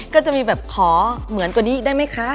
ก็จะมีแบบขอเหมือนตัวนี้ได้ไหมคะ